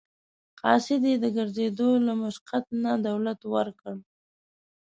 قاصد له یې د ګرځېدو له مشقت نه دولت ورکړ.